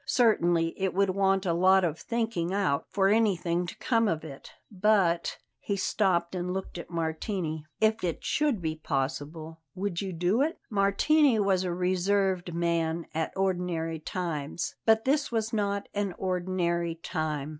"Certainly it would want a lot of thinking out for anything to come of it. But" he stopped and looked at Martini "if it should be possible would you do it?" Martini was a reserved man at ordinary times; but this was not an ordinary time.